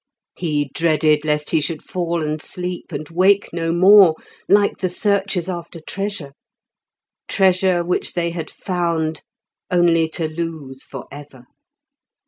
He dreaded lest he should fall and sleep, and wake no more, like the searchers after treasure; treasure which they had found only to lose for ever.